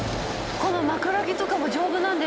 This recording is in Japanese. この枕木とかも丈夫なんでしょうね